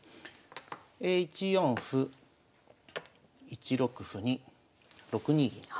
１四歩１六歩に６二銀と。